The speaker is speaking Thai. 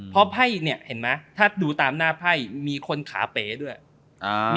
เพราะไพ่เนี่ยเห็นไหมถ้าดูตามหน้าไพ่มีคนขาเป๋ด้วยอ่า